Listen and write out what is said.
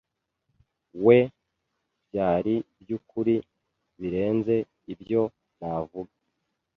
we - byari byukuri, birenze ibyo navuga.